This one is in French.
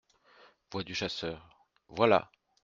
Voix du chasseur. — Voilà !…